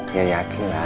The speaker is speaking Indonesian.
ya yakin lah